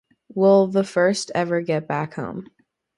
Will the First Ever Get Back Home?